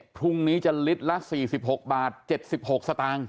พรุ่งนี้จะลิตรละ๔๖บาท๗๖สตางค์